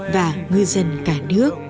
và ngư dân cả nước